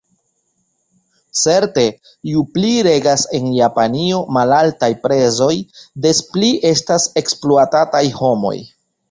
Certe: ju pli regas en Japanio malaltaj prezoj, des pli estas ekspluatataj homoj.